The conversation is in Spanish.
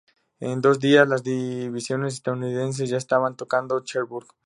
En dos días, las divisiones estadounidenses ya estaban tocando Cherburgo.